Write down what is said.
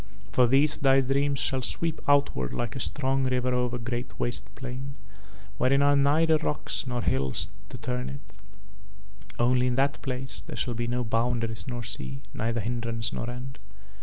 For these thy dreams shall sweep outward like a strong river over a great waste plain wherein are neither rocks nor hills to turn it, only in that place there shall be no boundaries nor sea, neither hindrance nor end.